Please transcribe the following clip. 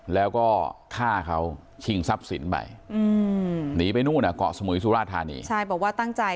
แล้วก็ฆ่าเขาชิ่งทรัพย์สินไป